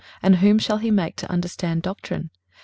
and whom shall he make to understand doctrine?